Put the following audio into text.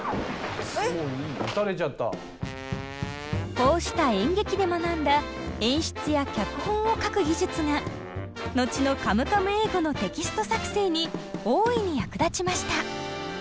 こうした演劇で学んだ演出や脚本を書く技術が後のカムカム英語のテキスト作成に大いに役立ちました。